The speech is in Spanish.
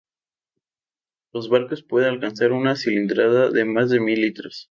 En barcos pueden alcanzar una cilindrada de más de mil litros.